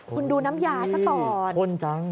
คุณดูน้ำยาซะก่อนอ้นจัง